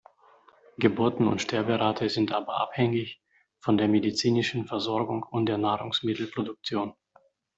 Geburten- und Sterberate sind aber abhängig von der medizinischen Versorgung und der Nahrungsmittelproduktion.